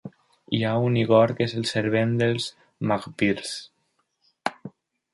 Hi ha un Igor que és el servent dels Magpyrs.